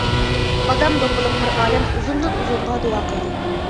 بادام دوپپىلىق بىر ئادەم ئۇزۇندىن-ئۇزۇنغا دۇئا قىلدى.